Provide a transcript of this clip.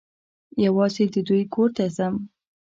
یوازي د دوی کور ته ځم .